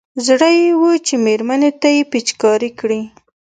زړه يې و چې مېرمنې ته يې پېچکاري کړي.